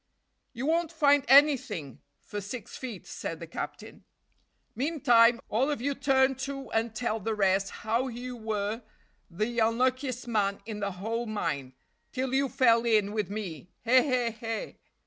"You won't find anything for six feet," said the captain. "Meantime, all of you turn to and tell the rest how you were the unluckiest man in the whole mine till you fell in with me he! he!"